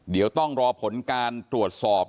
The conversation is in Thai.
เดี๋ยวต้องรอผลการตรวจสอบ